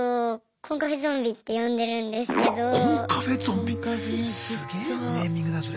コンカフェゾンビすげえネーミングだなそれ。